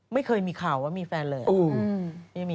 ไม่เคยมีข่าวว่ามีแฟนเลย